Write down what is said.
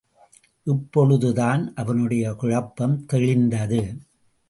இப்பொழுதுதான் அவனுடைய குழப்பம் தெளிந்தது.